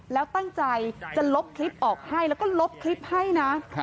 แล้วตั้งใจจะลบคลิปออกให้แล้วก็ลบคลิปให้นะ